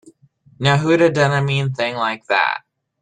Now who'da done a mean thing like that?